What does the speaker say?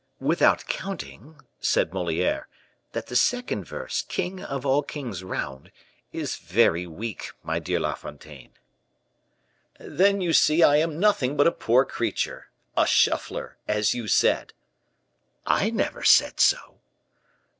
"Without counting," said Moliere, "that the second verse, 'king of all kings round,' is very weak, my dear La Fontaine." "Then you see clearly I am nothing but a poor creature, a shuffler, as you said." "I never said so."